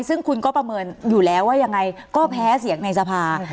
ซึ่งคุณก็ประเมินอยู่แล้วว่ายังไงก็แพ้เสียงในสภา